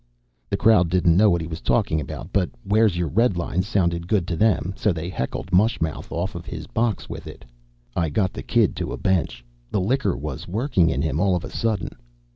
The crowd didn't know what he was talking about, but "wheah's your redlines" sounded good to them, so they heckled mush mouth off his box with it. I got the kid to a bench. The liquor was working in him all of a sudden.